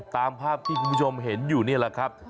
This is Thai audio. ตามภาพที่คุณผู้ชมเห็นอยู่นี่แหละครับ